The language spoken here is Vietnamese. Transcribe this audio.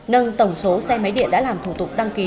nâng tổng số xe máy điện đã làm thủ tục đăng ký